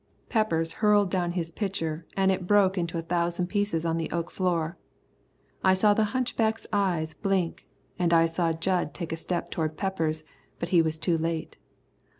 Peppers hurled down his pitcher, and it broke into a thousand pieces on the oak floor. I saw the hunchback's eyes blink. I saw Jud take a step towards Peppers, but he was too late.